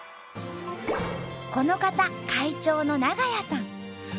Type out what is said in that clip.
この方会長の長屋さん。